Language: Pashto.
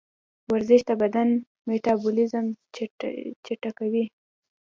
ورزش د بدن میتابولیزم چټکوي.